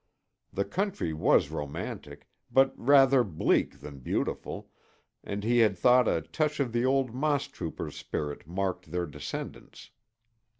The country was romantic, but rather bleak than beautiful, and he had thought a touch of the old Mosstroopers' spirit marked their descendants.